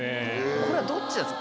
これはどっちなんですか？